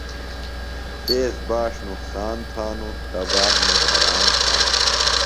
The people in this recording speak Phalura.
تیز باݜ نُقصان تھانوۡ، تباہ نوۡ دھراݨ تھانوۡ